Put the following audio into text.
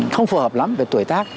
không phù hợp lắm với tuổi tác